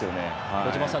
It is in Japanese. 小島さん